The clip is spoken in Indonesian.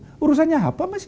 jaksa agung urusannya apa mas